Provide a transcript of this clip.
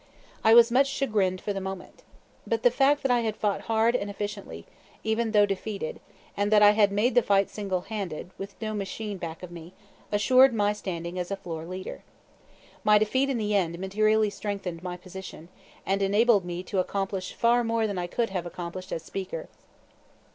I was much chagrined for the moment. But the fact that I had fought hard and efficiently, even though defeated, and that I had made the fight single handed, with no machine back of me, assured my standing as floor leader. My defeat in the end materially strengthened my position, and enabled me to accomplish far more than I could have accomplished as Speaker.